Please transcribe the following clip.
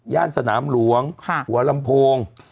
สนามหลวงหัวลำโพง